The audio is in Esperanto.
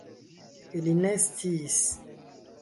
Ili ne sciis.